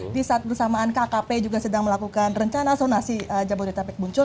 di saat bersamaan kkp juga sedang melakukan rencana sonasi jabodetabek buncur